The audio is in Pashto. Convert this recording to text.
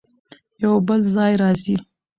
يو بل ځای راځي